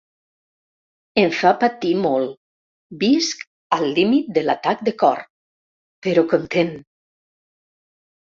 Em fa patir molt, visc al límit de l’atac de cor… però content!